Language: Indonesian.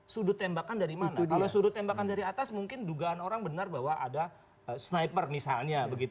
sudut tembakan dari mana kalau sudut tembakan dari atas mungkin dugaan orang benar bahwa ada sniper misalnya